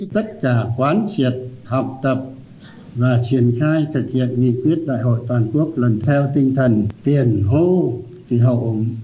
tất cả quán triệt học tập và triển khai thực hiện nghị quyết đại hội toàn quốc lần theo tinh thần tiền hô thì hậu